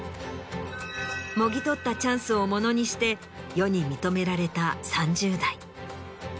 もぎ取ったチャンスをものにして世に認められた３０代。